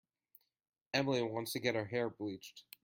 Emily wants to get her hair bleached.